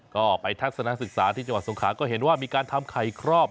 ก็ไปทักษณศึกษาที่จังหวัดสงขาก็เห็นว่ามีการทำไข่ครอบ